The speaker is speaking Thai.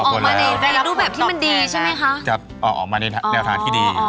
ออกมาในรูปแบบที่มันดีใช่ไหมคะจะออกออกมาในแนวทางที่ดี